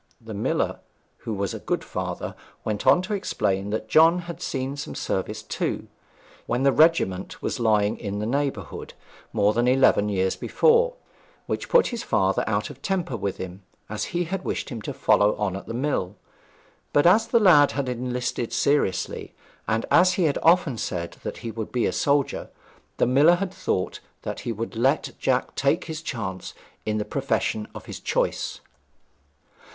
The miller, who was a good father, went on to explain that John had seen some service, too. He had enlisted when the regiment was lying in this neighbourhood, more than eleven years before, which put his father out of temper with him, as he had wished him to follow on at the mill. But as the lad had enlisted seriously, and as he had often said that he would be a soldier, the miller had thought that he would let Jack take his chance in the profession of his choice.